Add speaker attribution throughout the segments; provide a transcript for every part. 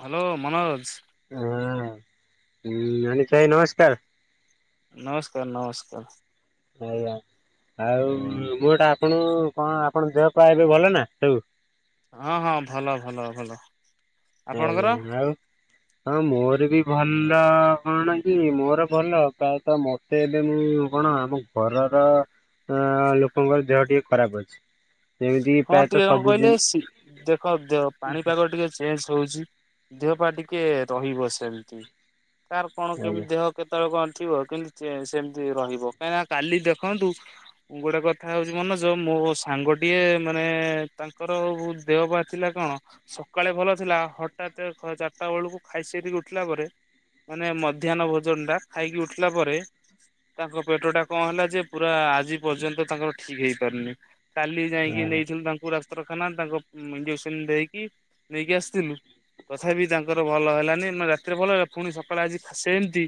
Speaker 1: Hello Manoj.
Speaker 2: ହୁଁ। ହଁ ଗଣେଶ ଭାଇ ନମସ୍କାର।
Speaker 1: ନମସ୍କାର ନମସ୍କାର।
Speaker 2: ଆଜ୍ଞା। ଆଉ ମୁଁ ଏଟା ଆପଣ କଣ ଆପଣ ଦେହ ପାଇଁ ଏବେ ଭଲ ନା ସବୁ?
Speaker 1: ହଁ ହଁ ଭଲ ଭଲ ଭଲ।
Speaker 2: ଆଉ
Speaker 1: ଆପଣଙ୍କର?
Speaker 2: ଜଣେ ଆଉ ହଁ ମୋର ବି ଭଲ କଣ କି ମୋର ଭଲ, ପ୍ରାୟତଃ ମତେ ଏବେ ମୁଁ କଣ କଣ ଆମ ଘରର ଅଁ ଲୋକଙ୍କର ଦେହ ଟିକେ ଖରାପ ଅଛି। ଯେମିତି
Speaker 1: ହଁ
Speaker 2: ପ୍ରାୟତଃ
Speaker 1: ଟିକେ କଣ କହିଲେ,
Speaker 2: ସବୁଦିନ
Speaker 1: ଦେଖ ଦେହ ପାଣିପାଗ ଟିକେ ଚେଞ୍ଜ ହଉଛି ଦେହ ପା ଟିକେ ରହିବ ସେମତି। ତାର କଣ କେମତି ଦେହ କେତବେଳେ କଣ ଥିବ କିନ୍ତୁ ସେମତି ରହିବ କାହିଁନା କାଲି ଦେଖନ୍ତୁ, ଗୋଟେ କଥା ହଉଛି ମନୋଜ ମୋ ମୋ ସାଙ୍ଗଟା ଗୋଟିଏ ମାନେ ତାଙ୍କର ଦେହ ହବାର ଥିଲା କଣ ସକାଳେ ଭଲ ଥିଲା ହଠାତ୍ ଚାରିଟା ବେଳକୁ ଖାଇସାରିକି ଉଠିଲା ପରେ ମାନେ ମଧ୍ୟାହ୍ନ ଭୋଜନଟା ଖାଇକି ଉଠିଲା ପରେ ତାଙ୍କ ପେଟଟା କଣ ହେଲା ଯେ ପୁରା ଆଜି ପର୍ଯ୍ୟନ୍ତ ତାଙ୍କର ଠିକ ହେଇପାରୁନି। କାଲି ଯାଇଁକି
Speaker 2: ଆଜ୍ଞା।
Speaker 1: ନେଇଥିଲୁ ତାଙ୍କୁ ଡାକ୍ତରଖାନା ତାଙ୍କ ଇଞ୍ଜେକ୍ସନି ଦେଇକି ନେଇକି ଆସିଥିଲୁ ତଥାପି ତାଙ୍କର ଭଲ ହେଲାନି ମାନେ ରାତିରେ ଭଲ ହେଲା ଫୁଣି ସକାଳେ ଆଜି ଖା ସେମତି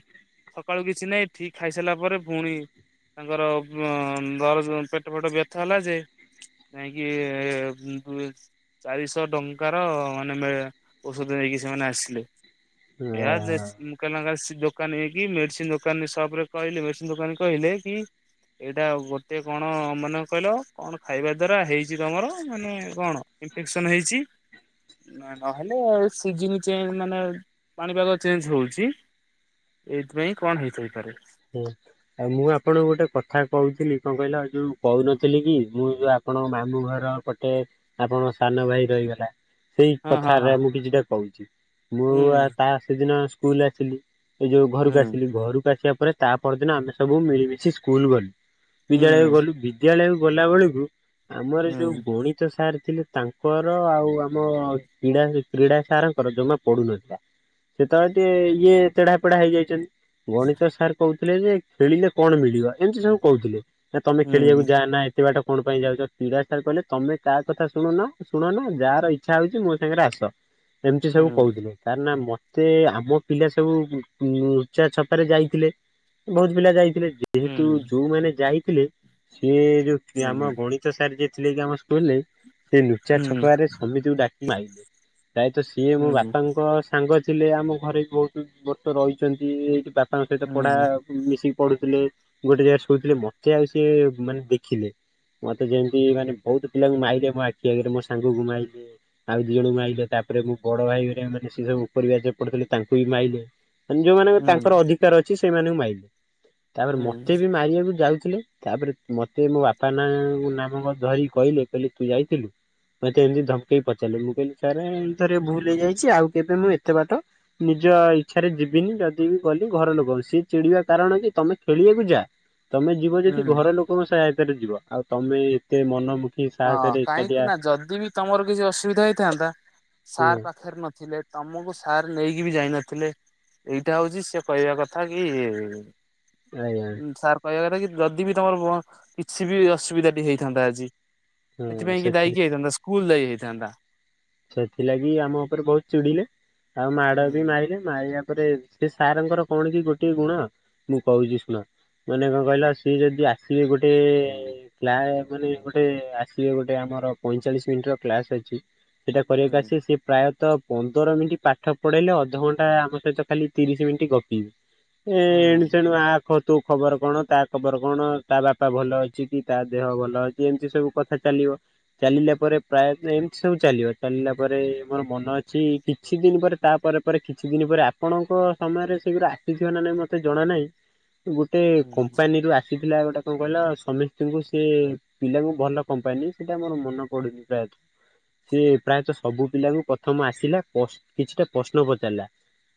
Speaker 1: ସକାଳୁ କିଛି ନାହିଁ, ଠିକ ଖାଇସାରିଲା ପରେ ପୁଣି ତାଙ୍କର ଦରଜ ପେଟ ଫେଟ ବ୍ୟଥା ହେଲା ଯେ ଯାଇଁକି ଉମ୍ ଚାରିଶହ ଟଙ୍କାର ମାନେ ମିଳେ ଔଷଧ ହେଇକି ସେମାନେ ଆସିଲେ, ଏୟା ମୁଁ [unintelligible] ଦୋକାନ ହେଇକି ମେଡିସିନ୍ ଦୋକାନୀ ସପରେ କହିଲେ ମେଡିସିନ ଦୋକାନୀ କହିଲେ କି ଏଇଟା ଗୋଟେ କଣ ମନେ କହିଲ କଣ ଖାଇବା ଦ୍ଵାରା ହେଇଛି ତମର ମାନେ କଣ ଇନଫେକ୍ସନ ହେଇଛି ନହେଲେ ସିଜିନ ଚେଞ୍ଜ ମାନେ ପାଣିପାଗ ଚେଞ୍ଜ ହଉଛି। ଏଇଥିପାଇଁ କଣ ହେଇଥାଇପାରେ।
Speaker 2: ହୁଁ ଆଉ ମୁଁ ଆପଣ ଗୋଟେ କଥା କହୁଥିଲି କଣ କହିଲ, ଯୋଉ କହୁନଥିଲି କି ମୁଁ ଯୋଉ ଆପ ଆପଣଙ୍କ ମାମୁଁଘର ପଟେ ଆପଣ ସାନ ଭାଇ ରହିଗଲା। ସେଇ
Speaker 1: ହଁ ହଁ
Speaker 2: କଥାରେ ମୁଁ କିଛିଟା କହୁଛି, ମୁଁ
Speaker 1: ହଁ
Speaker 2: ଆ ତା ସେଦିନ ସ୍କୁଲ ଆସିଲି ଏ ଯୋଉ
Speaker 1: ହୁଁ
Speaker 2: ଘରକୁ ଆସିଲି, ଘରକୁ ଆସିବା ପରେ ତା ପରଦିନ ଆମେ ସବୁ ମିଳିମିଶି ସ୍କୁଲ ଗଲୁ। ବିଦ୍ୟାଳୟକୁ
Speaker 1: ହୁଁ
Speaker 2: ଗଲୁ, ବିଦ୍ୟାଳୟକୁ ଗଲାବେଳକୁ ଆମର
Speaker 1: ହୁଁ
Speaker 2: ଯୋଉ ଗଣିତ ସାର ଥିଲେ ତାଙ୍କର ଆଉ ଆମ କ୍ରୀଡ଼ା କ୍ରୀଡ଼ା ସାରଙ୍କର ଜମା ପଡୁନଥିଲା। ଯେତବେଳେ ଟିକେ ଇଏ ତେଢା ପେଢା ହେଇଯାଇଛନ୍ତି। ଗଣିତ ସାର୍ କହୁଥିଲେ ଯେ, ଖେଳିଲେ କଣ ମିଳିବ? ଏମତି ସବୁ କହୁଥିଲେ। ନାଁ ତମେ ଖେଳିବାକୁ
Speaker 1: ହୁଁ
Speaker 2: ଯାଆନା ଏତେ ବାଟ କଣ ପାଇଁ ଯାଉଛ? କ୍ରୀଡ଼ା ସାର୍ କହିଲେ ତମେ ତା କଥା ଶୁଣୁନା ଶୁଣନା, ଯାହାର ଇଚ୍ଛା ହଉଛି ମୋ ସାଙ୍ଗେରେ ଆସ। ଏମତି ସବୁ
Speaker 1: ହୁଁ
Speaker 2: କହୁଥିଲେ। ତାର ନା ମ ମତେ ଆମ ପିଲା ସବୁ ଉ ନୁଚା ଛପାରେ ଯାଇଥିଲେ, ବହୁତ ପିଲା ଯାଇ ଥିଲେ, ଯେହେତୁ
Speaker 1: ହୁଁ
Speaker 2: ଯୋଉମାନେ ଯାଇଥିଲେ, ସିଏ ଯୋଉ
Speaker 1: ହୁଁ
Speaker 2: ଆମ
Speaker 1: ହୁଁ
Speaker 2: ଗଣିତ ସାର ଯିଏ ଥିଲେ କି ଆମ ସ୍କୁଲରେ ସିଏ ଲୁଚା
Speaker 1: ହୁଁ
Speaker 2: ଛପାରେ ସମିତିଙ୍କୁ ଡାକି ମାଇଲେ। ପ୍ରାୟତଃ ସିଏ ମୋ
Speaker 1: ହୁଁ
Speaker 2: ବାପାଙ୍କ ସାଙ୍ଗ ଥିଲେ ଆମ ଘରେ ବି ବହୁତ ବର୍ଷ ରହିଛନ୍ତି ଏଇଠି ବାପା
Speaker 1: ହୁଁ
Speaker 2: ପଢା ମିଶିକି ପଢୁଥିଲେ ଗୋଟେ ଜାଗାରେ ଶୋଇଥିଲେ ମତେ ଆଉ ସିଏ ମାନେ ଦେଖିଲେ। ମତେ ଯେମିତି ମାନେ ବହୁତ ପିଲାଙ୍କୁ ମାଇଲେ ମୋ ଆଖି ଆଗରେ ମୋ ସାଙ୍ଗକୁ ମାଇଲେ। ଆଉ ଦି ଜଣଙ୍କୁ ମାଇଲେ ତାପରେ ମୁଁ ବଡ଼ ଭାଇରେ ହେରିକାଙ୍କୁ ମାରିଲେ ସିଏ ଉପର ବାଚ୍ ପଢ଼ୁଥିଲେ ତାଙ୍କୁ ବି ମାଇଲେ। ମାନେ ଯୋଉମାନଙ୍କର
Speaker 1: ହୁଁ
Speaker 2: ତାଙ୍କର ଅଧିକାର ଅଛି ସେମାନଙ୍କୁ ମାଇଲେ ତାପରେ
Speaker 1: ହୁଁ
Speaker 2: ମତେ ବି ମାରିବାକୁ ଯାଉ ଥିଲେ ତାପରେ ମତେ ମୋ ବାପା ନା ନାମକ ଧରିକି କହିଲେ କହିଲେ ତୁ ଯାଇଥିଲୁ? ମତେ ଏମିତି ଧମକେଇ ପଚାରିଲେ ମୁଁ କହିଲି ସାରେ ଏଇ ଥରେ ଭୁଲ ହେଇଯାଇଛି ଆଉ କେବେ ମୁଁ ଏତେ ବାଟ ନିଜ ଇଚ୍ଛାରେ ଯିବିନି ଯଦି ବି ଗଲି ଘର ଲୋକଙ୍କ ଇଚ୍ଛା ସିଏ ଚିଡ଼ିବା କାରଣ କି ତମେ ଖେଳିବାକୁ ଯା ତମେ ଯିବ ଯଦି
Speaker 1: ହୁଁ
Speaker 2: ଘର ଲୋକଙ୍କ ସହାୟ ସେରେ ଯିବ ଆଉ ତମେ ଏତେ ମନ ଦୁ
Speaker 1: ହଁ କାହିଁକି ନା ଯଦି ବି ତମର କିଛି ଅସୁବିଧା ହେଇଥାନ୍ତା
Speaker 2: ହଁ
Speaker 1: ସାର୍ ପାଖରେ ନଥିଲେ। ତମକୁ ସାର୍ ନେଇକି ବି ଯାଇନଥିଲେ ଏଇଟା ହଉଛି ସେ କହିବା କଥା କି
Speaker 2: ଆଜ୍ଞା
Speaker 1: ସାର୍ କହିବା କଥା କି ଯଦି ବି ତମର କିଛି ବି ଅସୁବିଧା ଟି ହେଇଥାନ୍ତା ଆଜି
Speaker 2: ହଁ
Speaker 1: ସେଥିପାଇଁ କି
Speaker 2: ସେଥି
Speaker 1: ଦାୟୀ କିଏ ହେଇଥାନ୍ତା ସ୍କୁଲ ଦାୟୀ ହେଇଥାନ୍ତା।
Speaker 2: ସେଥିଲାଗି ଆମ ଉପରେ ବହୁତ ଚିଡ଼ିଲେ ଆଉ ମାଡ଼ ବି
Speaker 1: ମୁଁ
Speaker 2: ମାଇଲେ ମାଇଲା ପରେ ସେ ସାର ଙ୍କର କଣ କି ଗୋଟଏ ଗୁଣ ମୁଁ କହୁଛି ଶୁଣ ମାନେ କଣ କହିଲ ସିଏ ଯଦି ଆସିବେ ଗୋଟେ [unintelligible] ମାନେ ଗୋଟେ ଆସିବେ ଗୋଟେ ଆମର ପଇଁଚାଳିଶି ମିନିଟର କ୍ଲାସ ଅଛି ସେଟା କରିବାକୁ ଆସିଲେ ସେ ପ୍ରାୟ ତ ପନ୍ଦର ମିନିଟ୍ ପାଠ ପଢ଼େଇଲେ ଅଧଘଣ୍ଟା ଆମ ସହିତ ଖାଲି ତିରିଶ ମିଣ୍ଟି ଗପିବେ। ଏ ଏଣୁ ସେଣୁ ଆ କ ତୋ ଖବର କଣ ତା ଖବର କଣ ତା ବାପା ଭଲ ଅଛି କି ତା ଦେହ ଭଲ ଅଛି ଏମିତି ସବୁ କଥା ଚାଲିବ ଚାଲିଲା ପରେ ପ୍ରାୟ ଏମିତି ସବୁ ଚାଲିବ। ଚାଲିଲା ପରେ ମୋର ମନ ଅଛି କିଛି ଦିନ ପରେ ତାପରେ ପରେ କିଛି ଦିନ ପରେ ଆପଣଙ୍କ ସମୟରେ ସେ ଗୁରା ଆସିଥିବ ନା ନାଇଁ ମତେ ଜଣା ନାହିଁ ଗୋଟେ କମ୍ପାନୀରୁ ଆସି ପିଲା ଗୋଟେ କଣ କହିଲ ସମସ୍ତଙ୍କୁ ସେ ପିଲାଙ୍କୁ ଭଲ କମ୍ପାନୀ ସେଇଟା ମୋର ମନେ ପଡୁନି ପ୍ରାୟତଃ ସେ ପ୍ରାୟତଃ ସବୁ ପିଲାଙ୍କୁ ପ୍ରଥମ ଆସିଲା ପସ୍ କିଛିଟା ପ୍ରଶ୍ନ ପଚାରିଲା।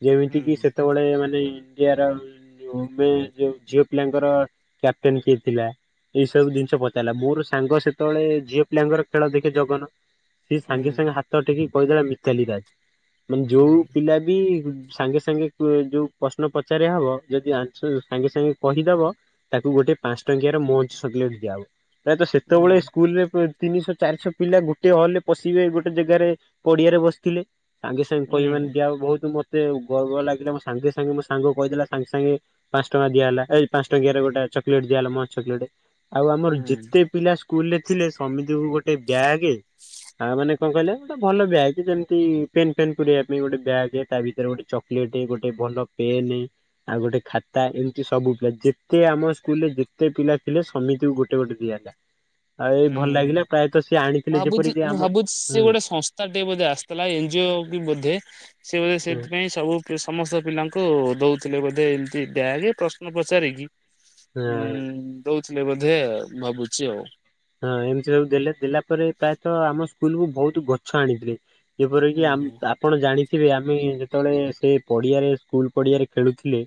Speaker 2: ଯେମିତି କି ସେତେବେଳେ ମାନେ ଚିଆର ଏବେ ଯୋଉ ଝିଅ ପିଲାଙ୍କର କ୍ୟାପଟେନ୍ କିଏ ଥିଲା? ଏଇ ସବୁ ଜିନିଷ ପଚାରିଲା ମୋର ସାଙ୍ଗ ସେତେବେଳେ ଝିଅ ପିଲାଙ୍କର ଖେଳ ଦେଖେ ଜଗନ। ସିଏ ସାଙ୍ଗେ ସାଙ୍ଗେ ହାତ ଟେକି କହିଦେଲା ମିତାଲି ରାଜ୍ ମାନେ ଯୋଉ ପିଲା ବି ସାଙ୍ଗେ ସାଙ୍ଗେ ଯୋଉ ପ୍ରଶ୍ନ ପଚାରିଆ ହବ ଯଦି ଆନସର ସାଙ୍ଗେ ସାଙ୍ଗେ କହିଦବ ତାକୁ ଗୋଟେ ସେ ପାଞ୍ଚ ଟଙ୍କିଆ ର ମୋଞ୍ଚ ଚକୋଲେଟ୍ ଦିଆ ହେବ। ପ୍ରାୟତଃ ସେତେବେଳେ ସ୍କୁଲରେ ତିନିଶହ ଚାରିଶହ ପିଲା ଗୋଟେ ହଲ ରେ ପଶିବେ ଗୋଟେ ଜାଗାରେ ପଡ଼ିଆରେ ବସିଥିଲେ ସାଙ୍ଗେ ସାଙ୍ଗେ କହିବେ ମାନେ କି ଆଉ ବହୁତ ମୋ ଏତେ ଗର୍ବ ଲାଗିଲା ମୋ ସାଙ୍ଗେ ସାଙ୍ଗେ ମୋ ସାଙ୍ଗ କହିଦେଲା ସାଙ୍ଗେ ସାଙ୍ଗେ ପାଞ୍ଚ ଟଙ୍କା ଦିଆ ହେଲା ଏଇ ପାଞ୍ଚ ଟଙ୍କିଆରେ ଗୋଟେ ଚକଲେଟ ଦିଆଗଲା ମଞ୍ଚ ଚକଲେଟ। ଆଉ ଆମର ଯେତେ ପିଲା ସ୍କୁଲ ରେ ଥିଲେ ସମିତିକୁ ଗୋଟେ ବ୍ୟାଗେ ଆଉ ମାନେ କଣ କହିଲେ ଗୋଟେ ଭଲ ବ୍ୟାଗ୍ ଯେମିତି ପେନ୍ ଫେନ୍ ପୁରେଇବା ପାଇଁ ଗୋଟେ ବ୍ୟାଗେ ତା ଭିତରେ ଗୋଟେ ଚକଲେଟ ଏ ଗୋଟେ ଭଲ ପେନ୍ ଆଉ ଗୋଟେ ଖାତା ଏମିତି ସବୁ ଯେତେ ଆମ ସ୍କୁଲରେ ଯେତେ ପିଲା ଥିଲେ ସମିତିକୁ ଗୋଟେ ଗୋଟେ ଦିଆ ହେଲା ଆଉ ଏଇ ଭଲ ଲାଗିଲା ପ୍ରାୟତଃ ସିଏ ଆଣିଥିଲେ
Speaker 1: ଭାବୁଛି
Speaker 2: ଯେପରିକି
Speaker 1: ମୁଁ
Speaker 2: ଆମ
Speaker 1: ଭାବୁଛି ସେ
Speaker 2: ହୁଁ
Speaker 1: ଗୋଟେ ସଂସ୍ଥା ଟିକେ ବୋଧେ ଆସିଥିଲା ଏନଜିଓ ବି ବୋଧେ। ସେ ବୋଧେ
Speaker 2: ହୁଁ
Speaker 1: ସେଥିପାଇଁ ସବୁ ସମସ୍ତ ପିଲାଙ୍କୁ ଦଉଥିଲେ ବୋଧେ ଏମତି ବ୍ୟାଗେ ପ୍ରଶ୍ନ ପଚାରିକି
Speaker 2: ହଁ।
Speaker 1: ହୁଁ ଦୋଉ ଥିଲେ ବୋଧେ ଆଉ ଭାବୁଛି ଆଉ।
Speaker 2: ହଁ ଏମିତି ସବୁ ଦେଲେ ଦେଲା ପରେ ପ୍ରାୟତଃ ଆମ ସ୍କୁଲକୁୁ ବହୁତ ଗଛ ଆଣିଥିଲେ। ଯେପରିକି
Speaker 1: ହୁଁ
Speaker 2: ଆମ୍
Speaker 1: ହୁଁ।
Speaker 2: ଆପଣ ଜାଣି ଥିବେ ଆମେ ଯେତେବେଳେ ସେ ପଡ଼ିଆରେ ସ୍କୁଲ ପଡ଼ିଆରେ ଖେଳୁଥିଲେ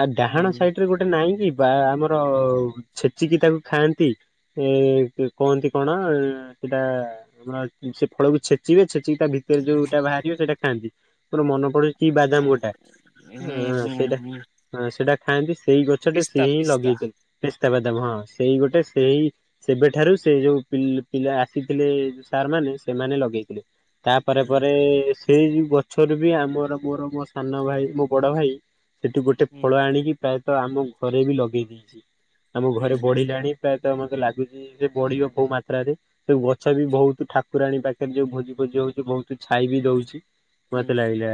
Speaker 2: ଆ ଡାହାଣ ସାଇଟ୍ ରେ ଗୋଟେ ନାହିଁ କି? ବା ଆମର ଛେଚିକି ତାକୁ ଖାଆନ୍ତି ଏ କୁହନ୍ତି କଣ ସେଟା କଣ ସେ ଫଳକୁ ଛେଚିବେ ଛେ ଚିକି ତା ଭିତରେ ଯୋଉଟା ବାହାରିବ ସେଇଟା ଖାଆନ୍ତି ମୋର ମନ ପୁଣି କି ବାଦାମ୍ ଗୋଟା ସେଇଟା ସେଟା ଖାଆନ୍ତି ସେଇ ଗଛଟେ ସି
Speaker 1: ପିସ୍ତା
Speaker 2: ହିଁ
Speaker 1: ପିସ୍ତା
Speaker 2: ଲଗେଇଥିଲେ ପିସ୍ତାବାଦାମ ହଁ ସେଇ ଗୋଟେ ସେ ହିଁ ସେବେଠାରୁ ସେ ଯୋଉ ପିଲା- ପିଲା ଆସିଥିଲେ ସାର୍ ମାନେ ସେମାନେ ଲଗେଇଥିଲେ। ତାପରେ ପରେ ସେଇ ଯ ଗଛରୁ ବି ଆମର ମୋର ମୋ ସାନ ଭାଇ ମୋ ବଡ ଭାଇ ସେଠୁ ଗୋଟେ ଫଳ ଆଣିକି ପ୍ରାୟତଃ ଆମ ଘରେ ବି ଲଗେଇ ଦେଇଛି ଆମ ଘରେ ବଢିଲାଣି ପ୍ରାୟ ତ ମୋତେ ଲାଗିଚି ସେ ବଢିବ କୋଉ ମାତ୍ରାରେ ସେ ଗଛ ବି ବହୁତ ଠାକୁରାଣୀ ପାଖରେ ଯୋଉ ଭୋଜି ଫୋଜି ହଉଛି ବହୁତ ତୁ ଛାଇ ବିି ଦଉଛି ମତେ ଲାଗିଲା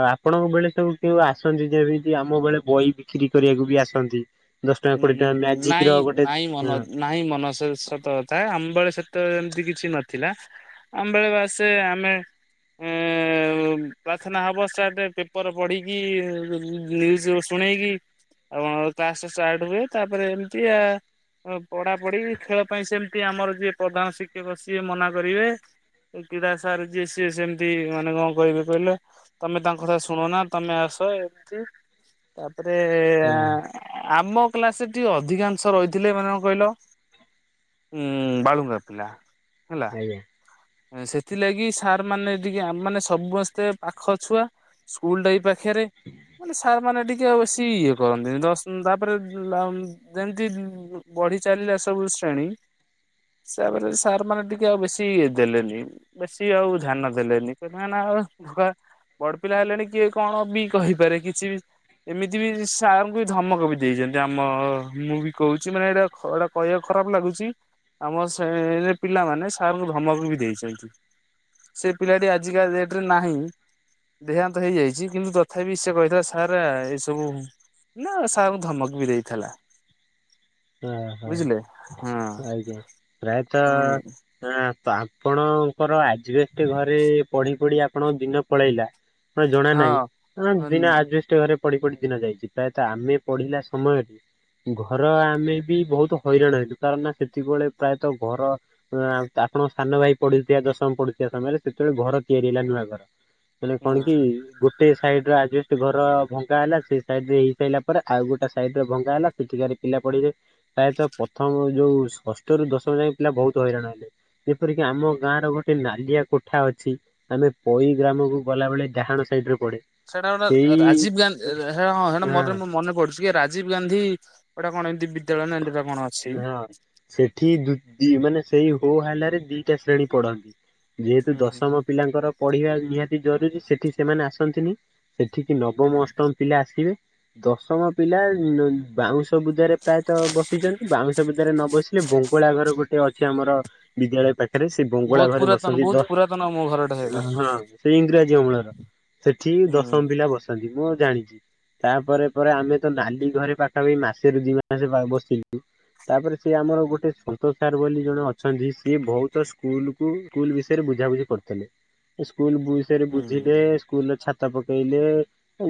Speaker 2: ଆ ଆପଣଙ୍କ ବେଳେ ସବୁ କେଉଁ ଆସନ୍ତି ଯେମିତି ଆମ ବେଳେ ବହି ବିକ୍ରି କରିବାକୁ ବି ଆସନ୍ତି। ଦଶ ଟଙ୍କା
Speaker 1: ଉଁ
Speaker 2: କୋଡିଏ ଟଙ୍କା ମ୍ୟାଜିକ
Speaker 1: ନାଇଁ
Speaker 2: ର ଗୋଟେ
Speaker 1: ନାଇଁ
Speaker 2: ହଁ
Speaker 1: ମନ ନାଇଁ ମନ ସେ ତତ ଥାଏ ଆମ୍ବେଳେ ସେତ ଏମିତି କିଛି ନଥିଲା ଆମବେଳେ ବାସେ ଆମେ ଏ ପ୍ରାର୍ଥନା ହେବ ସାର୍ଟ ପେପର ପଢିକି ନ୍ୟୁଜ ଶୁଣେଇକି ଆ କ୍ଲାସ ଷ୍ଟାର୍ଟ ହୁଏ ତାପରେ ଏମିତି ଆ ପଢାପଢି ଖେଳ ପାଇଁ ସେମିତି ଆମର ଯିଏ ପ୍ରଧାନ ଶିକ୍ଷକ ସିଏ ମନା କରିବେ। କ୍ରୀଡ଼ା ସାର ଯିଏ ସିଏ ସେମିତି ମାନେ କଣ କହିବେ କହିଲ ତମେ ତାଙ୍କ କଥା ଶୁଣ ନା ତମେ ଆ ସ ଏତି ତାପରେ
Speaker 2: ହଁ
Speaker 1: ଆମ କ୍ଲାସରେ ଟିକେ ଅଧିକାଂଶ ରହିଥିଲେ ମାନେ କଣ କହିଲ ଉଁ ବାଳୁଙ୍ଗା ପିଲା। ହେଲା
Speaker 2: ହେଇ।
Speaker 1: ସେଥିଲାଗି ସାର୍ ମାନେ ଟିକେ ଆମାନେ ସମସ୍ତେ ପାଖ ଛୁଆ ସ୍କୁଲ ଟାଇ ପାଖେ ରେ ମାନେ ସାର ମନେଟିକେ ଆଉ ବେଶି ଇଏ କରନ୍ତିନି ଦଶ ତାପରେ ଆଓ ଯେମିତି ପଢିଚାଲିଲେ ସବୁ ଶ୍ରେଣୀ ତାପରେ ସାର୍ ମାନେ ଟିକେ ଆଉ ବେଶୀ ଦେଲେନି ବେଶୀ ଆଉ ଧ୍ୟାନ ଦେଲେନି କ ନା ନା ହେ ବଡ ପିଲା ହେଲେଣି କିଏ କଣ ବି କହିପାରେ କିଛି ବି ଏମିତି ବି ସାରଙ୍କୁ ବି ଧମକ ବି ଦେଇଛନ୍ତି ଆମ ମୁଁ ବି କହୁଛି ମାନେ ଏଇଟା ଏଇଟା କହିବାକୁ ଖରାପ ଲାଗୁଛି ଆମ ସେ ପିଲାମାନେ ସାରଙ୍କୁ ଧମକ ବି ଦେଇଛନ୍ତି। ସେ ପିଲାଟି ଆଜିକା ଡେଟ ରେ ନାହିଁ। ଦେହାନ୍ତ ହେଇଯାଇଛି କିନ୍ତୁ ତଥାପି ସେ କହିଥିଲା ସାର୍ ଏସବୁ ନା ସାରଙ୍କୁ ଧମକ ବି ଦେଇଥିଲା।
Speaker 2: ହ
Speaker 1: ବୁଝିଲେ ହଁ
Speaker 2: ହୋ ଆଜ୍ଞା ପ୍ରାୟତଃ ଅଁ ତ ଆପଣଙ୍କର ଆଜବେଷ୍ଟ ଘରେ ପଢି ପଢି ଆପଣଙ୍କ ଦିନ ପଳେଇଲା। ଜଣା
Speaker 1: ହଁ
Speaker 2: ନାହିଁ
Speaker 1: ହଁ
Speaker 2: ଦିନ ଆଜିବେଷ୍ଟ ଘରେ ପଡି ପଡି ଦିନ ଯାଇଛି ପ୍ରାୟତଃ ଆମେ ପଢିଲା ସମୟଟି ଘର ଆଁ ମେ ବି ବହୁତ ହଇରାଣ ହେଲୁ କାରଣ ନା ସେତିକବେଳେ ପ୍ରାୟତଃ ଘର ଆପଣଙ୍କ ସାନ ଭାଇ ପଡି ତୁତୀୟା ଦଶମ ପଡୁଥିବା ସମୟରେ ସେତେବେଳେ ଘର ତିଆରି ହେଲା ନୂଆ ଘର। ହେଲେ
Speaker 1: ହଁ
Speaker 2: କଣ କି ଗୋଟେ ସାଇଡ ର ଆ ଯେଷ୍ଟ ଘର ଭଙ୍ଗା ହେଲା ସେ ସାଇଡ ରେ ହେଇସାରିଲା ପରେ ଆଉ ଗୋଟେ ସାଇଡରେ ଭଙ୍ଗା ହେଲା ସେଠିକାରେ ପିଲା ପଡ଼ିବେ ପ୍ରାୟତଃ ପ୍ରଥମ ଯୋଉ ଷଷ୍ଠରୁ ଦଶମ ଯାଏ ପିଲା ବହୁତ ହଇରାଣ ହେଲେ ଯେପରିକି ଆମ ଗାଁ ହାର ଗୋଟେ ନାଲିଆ କୋଠା ଅଛି ଆମେ ପଇ ଗ୍ରାମକୁ ଗଲା ବେଳେ ଡାହାଣ ସାଇଡ ରେ ପଡେ
Speaker 1: ସେଟା ଗୋଟେ
Speaker 2: ସେଇ
Speaker 1: ରାଜୀବ ଗାନ୍ଧି ରେ ହଁ ହେଟା ମୋର ମନେ ପଡୁଛି ରାଜୀବ ଗାନ୍ଧୀ ଗୋଟା କଣ ଏମିତି ବି
Speaker 2: ହଁ ସେଠି ଦୁ ଦି ମାନେ ସେଇ ହୋ ହାଲାରେ ଦିଟା ଶ୍ରେଣୀ ପଢନ୍ତି ଯେହେତୁ
Speaker 1: ହୁଁ ହୁଁ ହୁଁ
Speaker 2: ଦଶମ ପିଲାଙ୍କର ପଢିବା ନିହାତି ଜରୁରୀ ସେଠି ସେମାନେ ଆସନ୍ତିନି ସେଠିକି ନବମ
Speaker 1: ହୁଁ।
Speaker 2: ଅଷ୍ଟମ ପିଲା ଆସିବେ ଦଶମ ପିଲା ବାଉଁଶ ବୁଦାରେ ପ୍ରାୟ ତ ବସିଛନ୍ତି ବାଉଁଶ ଭିତରେ ନ ବସିଲେ ବଙ୍ଗଳା ଘର ଗୋଟେ ଅଛି ଆମର ବିଦ୍ୟାଳୟ ପା ରେ ସେ ବଙ୍ଗଳା
Speaker 1: ବହୁତ
Speaker 2: ଘରେ
Speaker 1: ପୁରାତନ
Speaker 2: ବସନ୍ତି
Speaker 1: ବହୁତ
Speaker 2: ଦ
Speaker 1: ପୁରାତନ ମୋ ଘରଟା ସେଇଟା।
Speaker 2: ହଁ ସେଇ ଇଂରାଜୀ ଅମ୍ଳର ସେଠି
Speaker 1: ହୁଁ
Speaker 2: ଦଶମ ପିଲା ବସନ୍ତି ମୁଁ ଆଉ ଜାଣି ତାପରେ ପରେ ଆମେ ତ ନାଲି ଘରେ ପାଖାପାଖି ମାସେ ରୁ ଦି ମାସ ବସିଲୁ। ତାପରେ ସିଏ ଆମର ଗୋଟେ ସନ୍ତୋଷ ସାର୍ ବୋଲି ଜଣେ ଅଛନ୍ତି ସିଏ ବହୁତ ସ୍କୁଲକୁ ସ୍କୁଲ ବିଷୟରେ ବୁ ବୁଝାବୁଝି କରୁଥିଲି। ସେ ସ୍କୁଲ ବୁ ବିଷୟରେ
Speaker 1: ହୁଁ
Speaker 2: ବୁଝିବେ ସ୍କୁଲର ଛା ତ ପକେଇଲେ।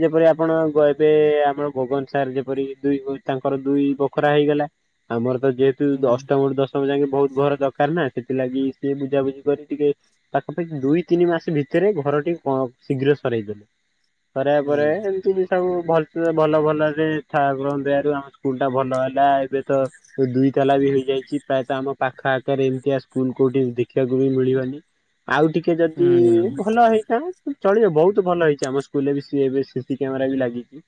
Speaker 2: ଯେପରି ଆପଣ କହିବେ ଆମର ଗଗନ ସାର୍ ଯେପରି ଦୁଇ [unintelligible] ତାଙ୍କର ଦୁଇ ବଖରା ହେଇଗଲା। ଆମର ତ ଯେହେତୁ ଦ
Speaker 1: ହୁଁ।
Speaker 2: ଅଷ୍ଟମରୁ ଦଶ ମ ଯାକେ ବହୁତ ଘର ଦରକାର ନା ସେଥିଲାଗି ସିଏ ବୁଝାବୁଝି କରି ଟିକେ ପାଖାପଖି ଦୁଇ ତିନି ମାସ ଭି ତେରେ ଘରଟିକୁ କଁ ଶୀଘ୍ର ସରେଇଦେଲେ। ସରେୟା
Speaker 1: ହୁଁ
Speaker 2: ପରେ ଏମିତି ବି ସବୁ ଭଲ ଭଲ ଭଲରେ ଠାକୁରଙ୍କ ଦୟାରୁ ଆମ ସୁ ସ୍କୁଲଟା ଭଲ ହେଲା। ଏବେ ତ ଦୁଇ ତାଲା ବି ହେଇଯାଇଛି। ପ୍ରାୟତଃ ଆମ ପାଖ ଆଖରେ ଏମିତିଆ ସ୍କୁଲ କୋଉଠି ଦେଖିବାକୁ ବି ମିଳିବନି। ଆଉ ଟିକେ ଯଦି
Speaker 1: ହୁଁ।
Speaker 2: ଭଲ ହେଇଥା ଚଳିବ ବହୁତ ଭଲ ହେଇଛି। ଆମ ସ୍କୁଲରେ ବି ସି ଏବେ ସିସିି କ୍ୟାମେରା ବି ଲାଗିଛି।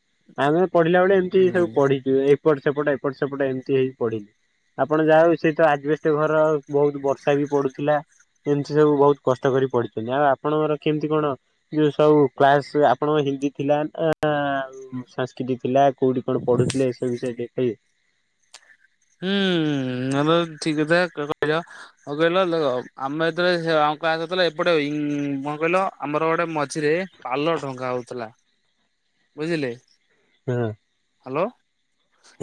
Speaker 2: ଆମେ ପଢିଲା ବେଳେ ଏମିତି ସବୁ
Speaker 1: ହୁଁ
Speaker 2: ପଢିଛୁ। ଏ ପଟ ସେପଟ ଏପଟ ସେପଟ ଏମିତି ହେଇ ପଢିଲି। ଆପଣ ଯାହା ହଉ ସେ ତ ଆଜବେଷ୍ଟ ଘର ଆଉ ବହୁତ ବର୍ଷା ବି ପଡୁଥିଲା ଏମିତି ସବୁ ବହୁତ କଷ୍ଟ କରି ପଢିଛନ୍ତି। ଆଉ ଆପଣଙ୍କର କେମିତି କଣ ଯୋଉ ସବୁ କ୍ଲାସ ଆପଣଙ୍କ ହିନ୍ ଦୀ ଥିଲା ନା ଆଉ ସାଂସ୍କ୍ରିଟ୍ ଥିଲା କୋଉଠି କଣ ପଢୁଥିଲେ ସେ [unintelligible]
Speaker 1: ହୁଁ ଏବେ ଠିକ କଥା କହିଲ [unintelligible] କଣ କହିଲ ଦେଖ ଆମେ ଯେତେବେଳେ [unintelligible] ଏପଟେ ଇଂ କଣ କହିଲ ଆମର ଗୋଟେ ମଝିରେ ପାଲ ଟଙ୍ଗା ହଉଥିଲା। ବୁଝିଲେ?
Speaker 2: ହଁ।
Speaker 1: ହାଲୋ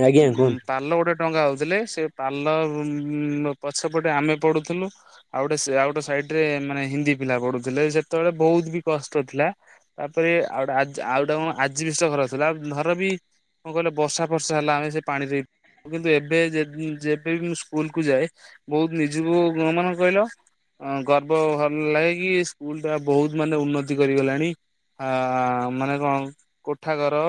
Speaker 2: ଆଜ୍ଞା
Speaker 1: ଉଁ
Speaker 2: କୁହନ୍ତୁ।
Speaker 1: ପାଲ ଗୋଟେ ଟଙ୍ଗା ହଉଥିଲେ। ସେ ପାଲ ଉଁ ପଛ ପଟେ ଆମେ ପଢୁଥିଲୁ। ଆଉ ଗୋଟେ ସେ ଆଉ ଗୋଟେ ସାଇ ସେଥିରେ ମାନେ ହିନ୍ଦୀ ପିଲା ପଢୁଥିଲେ ସେତେବେଳେ ବହୁତ ବି କଷ୍ଟ ଥିଲା। ତା ପରେ ଆଉ ଗୋଟେ ଆଜ୍ ଆ ଆଉ ଗୋଟା କଣ ଆଜିବେଷ୍ଟ ଘର ଥିଲା। ଘର ବି କଣ କହିଲ ବର୍ଷା ଫର୍ଷା ହେଲା ଆମେ ସେ ପାଣିରେ କିନ୍ତୁ ଏବେ ଯେ-ଯେବେ ବି ମୁଁ ସ୍କୁଲକୁ ଯାଏ ବହୁତ ନିଜୁକୁ [unintelligible] ମାନେ କହିଲ ଅଁ ଗର୍ବ ଭଲ ଲାଗେ କି ସ୍କୁଲଟା ବହୁତ ମାନେ ଉନ୍ନତି କରିଗଲାଣି। ଆଁ ମାନେ କଣ କୋଠାଘର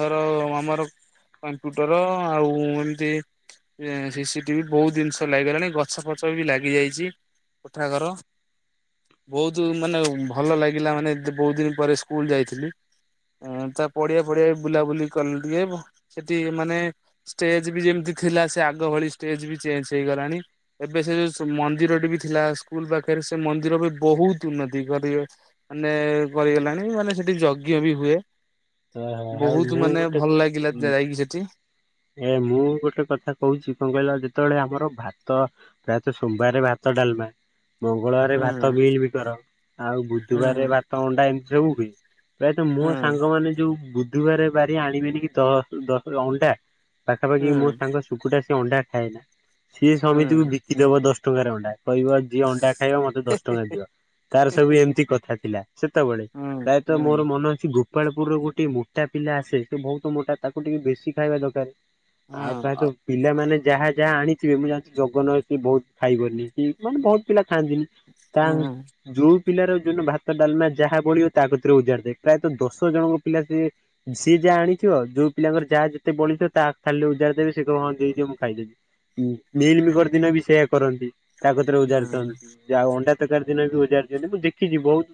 Speaker 1: ଧର ଆମର କାମ୍ପ୍ୟୁଟର ଆଉ ଉଁ ଏମ୍ ତି ଏଁ ସିସିଟିଭି ବହୁତ ଜିନିଷ ଲାଗିଗଲାଣି। ଗଛ ଫଛ ବି ଲାଗି ଯାଇଛି। କୋଠାଘର ବହୁତ ମାନେ ଭଲ ଲାଗିଲା ମାନେ ଯେ ବହୁତ ଦିନ ପରେ ସ୍କୁଲ ଯାଇଥିଲି। ଉଁ ତା ପଡିଆ ଫଡିଆ ବି ବୁଲାବୁଲି କଲି ଟିକେ ଭ ସେଠି ମାନେ ଷ୍ଟେ ଯିବି ଯେମିତି ଥିଲା ସେ ଆଗ ଭଳି ଷ୍ଟେଜ ବି ଚେଞ୍ଜ ହେଇଗଲାଣି। ଏବେ ସେ ଯୋଉ ମନ୍ଦିରଟେ ବି ଥିଲା ସ୍କୁଲ ପାଖେରେ ସେ ମନ୍ଦିର ବି ବହୁତ ଉନ୍ନତି କରି ମାନେ କରିଗଲାଣି। ମାନେ ସେଠି ଯଗ୍ ଜ୍ଞ ବି ହୁଏ।
Speaker 2: ଅ ଆଉ
Speaker 1: ବହୁତ
Speaker 2: ମୁଁ
Speaker 1: ମାନେ
Speaker 2: ଗୋଟେ
Speaker 1: ଭଲ ଲାଗିଲା
Speaker 2: ଉଁ
Speaker 1: ଯାଇକି ସେଠି।
Speaker 2: ଏ ମୁଁ ଗୋଟେ କଥା କହୁଛି କଣ କହିଲ ଯେତେବେଳେ ଆମର ଭାତ ପ୍ରାୟତଃ ସୋମବାରେ ଭାତ ଡାଲମା ମଙ୍ଗଳବାରେ
Speaker 1: ହୁଁ
Speaker 2: ଭାତ ମିଲମିକର। ଆଉ
Speaker 1: ହୁଁ
Speaker 2: ବୁଧୁବାରେ ଭାତ ଅଣ୍ଡା ଏମିତି ସବୁ ହୁଏ। ପ୍ରାୟତଃ
Speaker 1: ହୁଁ
Speaker 2: ମୋ ସାଙ୍ଗମାନେ ଯୋଉ ବୁଧୁବାରେ ବାରି ଆଣିବେନି କି ଦ-ଦ ଅଣ୍ଡା ପାଖାପାଖି
Speaker 1: ହୁଁ
Speaker 2: ମୋ ସାଙ୍ଗ ଶୁକୁଟା ସିଏ ଅଣ୍ଡା ଖାଏନା। ସିଏ
Speaker 1: ହୁଁ
Speaker 2: ସମେତିକୁ ବିକି ଦେବ ଦଶ ଟଙ୍କାରେ ଅଣ୍ଡା। କହିବ ଯିଏ ଅଣ୍ଡା ଖାଇବ ମତେ ଦଶ ଟଙ୍କା ଦିଅ। ତାର ସବୁ ଏମିତି କଥା ଥିଲା ସେତେବେଳେ। ପ୍ରାୟତଃ
Speaker 1: ହୁଁ
Speaker 2: ମୋର ମନେ ଅଛି ଗୁପ୍ ଗୋପାଳପୁରରୁ ଗୋଟିଏ ମୋଟା ପିଲା ଆସେ। ସେ ବହୁତ ମୋଟା। ତାକୁ ଟିକେ ବେଶୀ ଖାଇବା ଦରକାରେ।
Speaker 1: ହୁଁ
Speaker 2: ଆଉ ପ୍ରାୟତ ପିଲାମାନେ ଯାହା ଯାହା ଆଣି ଥିବେ ମୁଁ ଜାଣିଛି ଜଗନ ଏଠି ବହୁତ ଖାଇବନି କି ମାନେ ବହୁତ ପିଲା ଖାଆନ୍ତିନି ତା
Speaker 1: ହଁ
Speaker 2: ଯୋଉ ପିଲାର ଯୋଉ ଦିନ ଭାତ, ଡାଲମା ଯାହା ବଳିବ ତା କତିରେ ଓଜାଡି ଦେ। ପ୍ରାୟତଃ ଦଶ ଜଣଙ୍କ ପିଲା ସିଏ ସିଏ ଯାହା ଆଣିଥିବ ଯୋଉ ପିଲାଙ୍କର ଯାହା ଯେତେ ବଳିଥିବ ତା ଥାଲିରେ ଓଜାଡି ଦେବେ ସେ କହିବ ହଁ ଦେଇ ଦିଅ ମୁଁ ଖାଇ ଦେବି। ଉଁ ମିଲମିକର ଦିନ ବି ସେୟା କରନ୍ତି। ତା କତିରେ ଓଜାଡି
Speaker 1: ହୁଁ।
Speaker 2: ଦିଅନ୍ତି। ଆଉ ଅଣ୍ଡା ତରକାରୀ ଦିନ ବି ଓଜାଡି ଦିଅନ୍ତି। ମୁଁ ଦେଖିଛି ବହୁତ